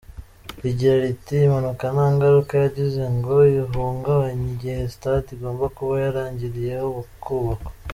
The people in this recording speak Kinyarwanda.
Rigira riti “Impanuka nta ngaruka yagize ngo ihungabanye igihe stade igomba kuba yarangiriyeho kubakwa.